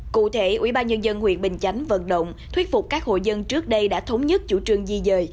cụ thể ubnd huyện bình chánh vận động thuyết phục các hộ dân trước đây đã thống nhất chủ trương di dời